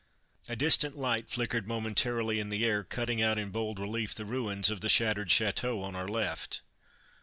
A distant light flickered momentarily in the air, cutting out in bold relief the ruins of the shattered chateau on our left.